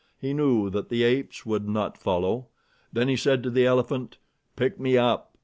He knew that the apes would not follow. Then he said to the elephant: "Pick me up!"